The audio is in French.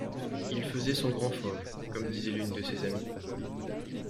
Il faisait son grand fauve, comme disait l’une de ses amies.